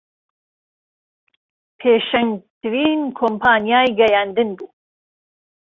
پێشەنگترین کۆمپانیای گەیاندن بوو